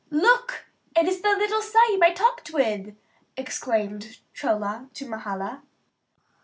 "Look, it is the little Sahib I talked with," exclaimed Chola to Mahala.